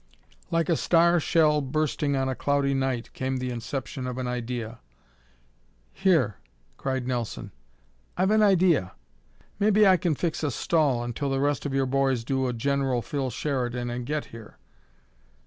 Like a star shell bursting on a cloudy night came the inception of an idea. "Here," cried Nelson, "I've an idea! Maybe I can fix a stall until the rest of your boys do a General Phil Sheridan and get here."